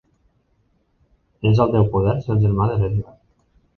És al teu poder ser el germà de l'Edgar!